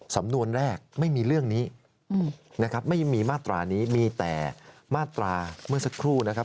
สำนวนแรกไม่มีเรื่องนี้นะครับไม่มีมาตรานี้มีแต่มาตราเมื่อสักครู่นะครับ